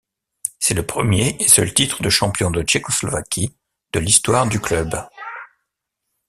C'est le premier et seul titre de champion de Tchécoslovaquie de l'histoire du club.